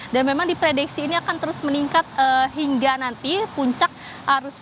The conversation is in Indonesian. dan memang di prediksi ini akan terus meningkat hingga nanti puncak arus mudik